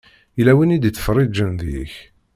Yella win i d-ittfeṛṛiǧen deg-k.